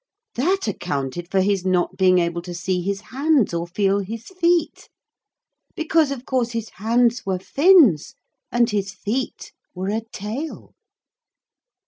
That accounted for his not being able to see his hands or feel his feet. Because of course his hands were fins and his feet were a tail.